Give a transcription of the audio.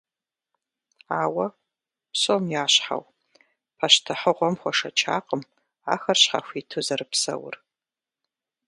Ауэ, псом ящхьэу, пащтыхьыгъуэм хуэшэчакъым ахэр щхьэхуиту зэрыпсэур.